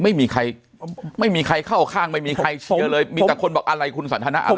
ไม่มีใครไม่มีใครเข้าข้างไม่มีใครเชียร์เลยมีแต่คนบอกอะไรคุณสันทนาอะไร